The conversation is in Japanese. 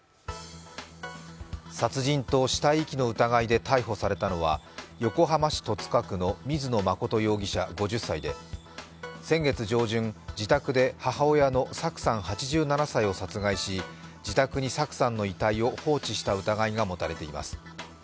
殺人と死体遺棄の疑いで逮捕されたのは横浜市戸塚区の水野誠容疑者５０歳で先月上旬、自宅で母親のさくさんを殺害し自宅に、さくさんの遺体を放置した疑いが持たれています。